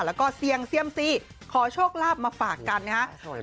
แล้วก็เสี่ยงเซียมซีขอโชคลาภมาฝากกันนะครับ